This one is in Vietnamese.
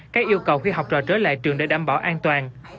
các yêu cầu khi học trò trở lại trường để đảm bảo an toàn